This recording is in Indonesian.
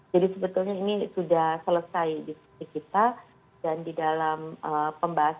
jadi sebetulnya ini sudah selesai di sisi kita dan di dalam pembahasan